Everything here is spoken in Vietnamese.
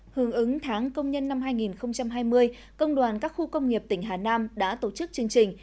hướng ứng tháng công nhân năm hai nghìn hai mươi công đoàn các khu công nghiệp tỉnh hà nam đã tổ chức chương trình